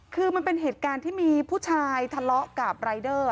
คือมันเป็นเหตุการณ์ที่มีผู้ชายทะเลาะกับรายเดอร์